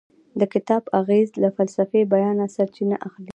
د کتاب اغیز له فلسفي بیانه سرچینه اخلي.